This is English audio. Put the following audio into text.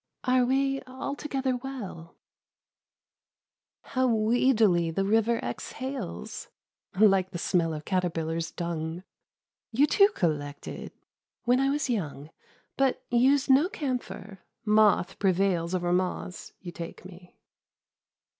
Are we altogether well ? How weedily the river exhai Like the smell of caterpillar's duo You too collected ?"" When I was young, But used no camphor : moth prevails 11 Over moths, you take me."